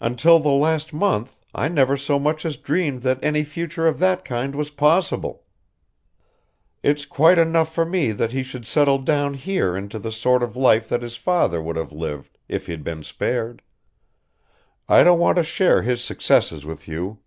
Until the last month I never so much as dreamed that any future of that kind was possible. It's quite enough for me that he should settle down here into the sort of life that his father would have lived if he'd been spared. I don't want to share his successes with you...."